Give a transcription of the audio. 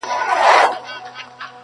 ما پر سترګو د ټولواک امر منلی!!